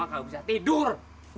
mamikah udah bisa tidur